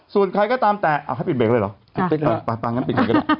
ส่วนใครก็ตามแต่อ้าวให้ปิดเบรคเลยเหรอปิดเบรคเลย